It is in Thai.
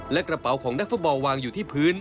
และกระเป๋าของนักฟุตบอลวางอยู่ที่พื้น